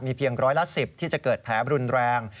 เพียงร้อยละ๑๐ที่จะเกิดแผลรุนแรง